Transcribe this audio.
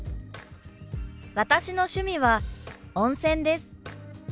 「私の趣味は温泉です」。